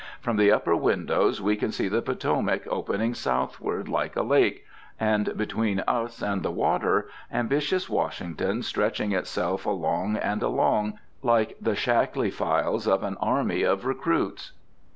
From the upper windows we can see the Potomac opening southward like a lake, and between us and the water ambitious Washington stretching itself along and along, like the shackly files of an army of recruits.